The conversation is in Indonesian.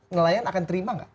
ngelayan akan terima gak